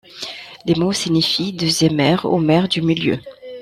Les mots signifient deuxième mère, ou mère du milieu.